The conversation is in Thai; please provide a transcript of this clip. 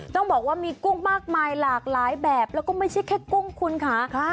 ต้องบอกว่ามีกุ้งมากมายหลากหลายแบบแล้วก็ไม่ใช่แค่กุ้งคุณค่ะ